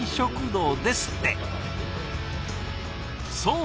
そう！